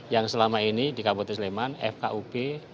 yang selama ini di kabupaten sleman fkub